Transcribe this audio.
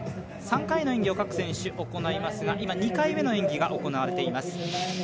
３回の演技を各選手、行いますが今、２回目の演技が行われています。